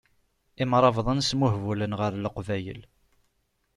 Imṛabḍen smuhbulen ɣer leqbayel.